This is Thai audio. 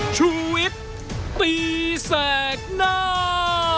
ชูเวทตีแสดหน้า